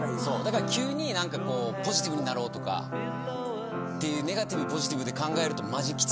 そうだから急にポジティブになろうとかネガティブ・ポジティブで考えると。